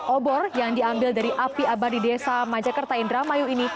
obor yang diambil dari api abadi desa majakarta indramayu ini